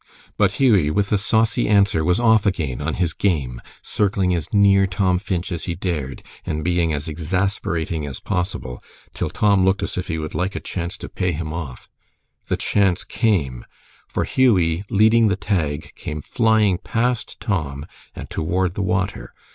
But Hughie, with a saucy answer, was off again on his game, circling as near Tom Finch as he dared, and being as exasperating as possible, till Tom looked as if he would like a chance to pay him off. The chance came, for Hughie, leading the "tag," came flying past Tom and toward the water.